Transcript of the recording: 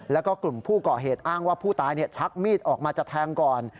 แล้วก็กลุ่มผู้ก่อเหตุอ้างว่าผู้ตายชักมีดออกมาจะแทงก่อน